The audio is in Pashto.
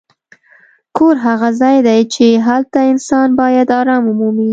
کور هغه ځای دی چې هلته انسان باید ارام ومومي.